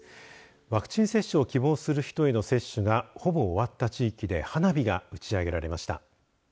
ワクチン接種を希望する人への接種がほぼ終わった地域で花火が打ち上げられました。